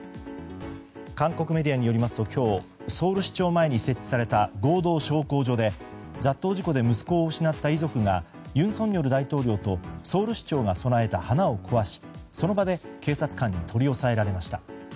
韓国メディアによりますと今日、ソウル市庁前に設置された合同焼香所で雑踏事故で息子を失った遺族が尹錫悦大統領とソウル市長が供えた花を壊しその場で警察官に取り押さえられました。